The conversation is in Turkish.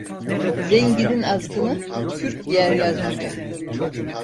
Zenginin azgını, kürk giyer yaz günü.